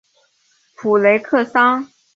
普雷克桑。